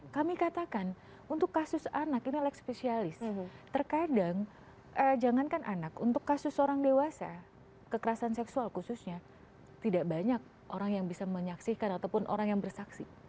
kami katakan untuk kasus anak ini leg spesialis terkadang jangankan anak untuk kasus orang dewasa kekerasan seksual khususnya tidak banyak orang yang bisa menyaksikan ataupun orang yang bersaksi